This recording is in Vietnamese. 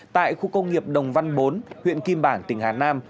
tại khu công nghiệp đồng văn bốn huyện kim bản tỉnh hà nam